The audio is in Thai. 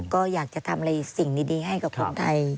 ก็อยากจะทำอะไรสิ่งดีให้กับคนไทย